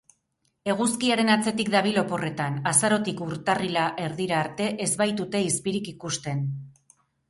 Eguzkiaren atzetik dabil oporretan, azarotik urtarrila erdira arte ez baitute izpirik ikusten.